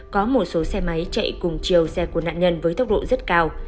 có một số xe máy chạy cùng chiều xe của nạn nhân với tốc độ rất cao